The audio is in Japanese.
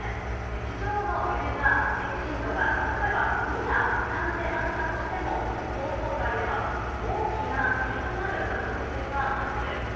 地上の揺れが、震度が例えば２や３であったとしても、高層階では大きな揺れとなる可能性があるんです。